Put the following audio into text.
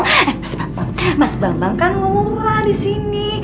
eh mas bambang mas bambang kan ngumrah disini